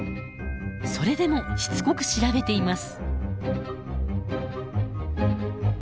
それでもしつこく調べています。